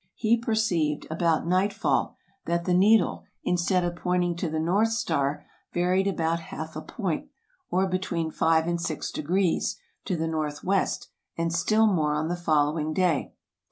He perceived, about nightfall, that 16 TRAVELERS AND EXPLORERS the needle, instead of pointing to the north star, varied about half a point, or between five and six degrees, to the northwest, and still more on the following day.